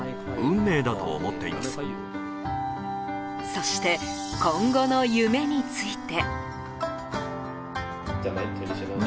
そして、今後の夢について。